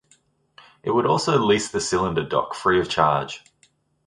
It would also lease the cylinder dock free of charge.